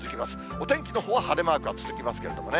お天気のほうは晴れマークが続きますけれどもね。